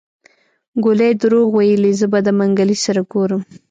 ګولي دروغ ويلي زه به د منګلي سره ګورم.